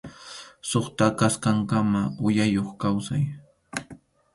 Suqta kasqankama uyayuq kawsay.